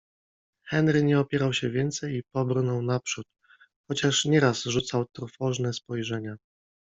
Henry nie opierał się więcej i pobrnął naprzód, chociaż nieraz rzucał trwożne spojrzenia